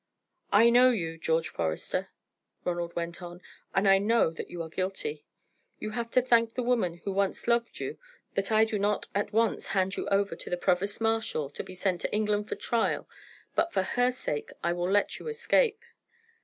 "I know you, George Forester," Ronald went on, "and I know that you are guilty. You have to thank the woman who once loved you that I do not at once hand you over to the provost marshal to be sent to England for trial, but for her sake I will let you escape.